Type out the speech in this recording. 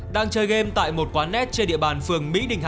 đang chơi game tại một quán net trên địa bàn phường